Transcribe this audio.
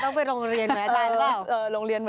โอ้ต้องไปโรงเรียนเหมือนกัน